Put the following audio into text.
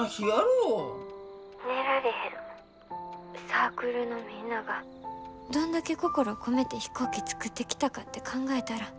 サークルのみんながどんだけ心込めて飛行機作ってきたかって考えたら。